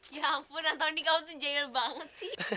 ya ampun antoni kamu tuh jahil banget sih